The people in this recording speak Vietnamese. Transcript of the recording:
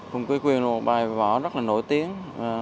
hùng kê quyền là một bài võ rất là nổi tiếng